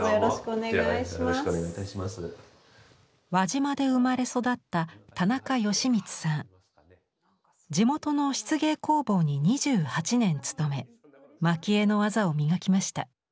輪島で生まれ育った地元の漆芸工房に２８年勤め蒔絵の技を磨きました。